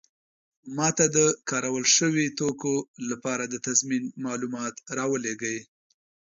ما ته د کارول شوي توکو لپاره د تضمین معلومات راولیږئ.